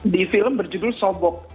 di film berjudul sobok